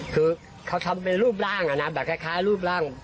คือเขาทำเป็นรูปร่างอะนะแบบคล้ายรูปร่าง